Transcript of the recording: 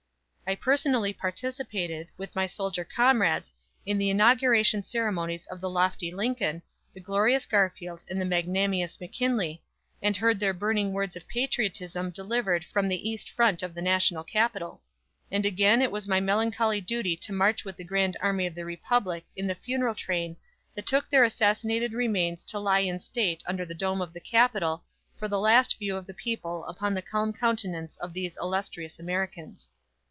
I personally participated, with my soldier comrades, in the inauguration ceremonies of the lofty Lincoln, the glorious Garfield and the magnanimous McKinley, and heard their burning words of patriotism delivered from the east front of the National Capitol. And again it was my melancholy duty to march with the Grand Army of the Republic in the funeral train that took their assassinated remains to lie in state under the dome of the Capitol for the last view of the people upon the calm countenance of these illustrious Americans.